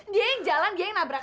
dia yang jalan dia yang nabrak